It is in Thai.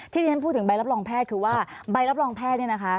ที่ที่ฉันพูดถึงใบรับรองแพทย์คือว่าใบรับรองแพทย์เนี่ยนะคะ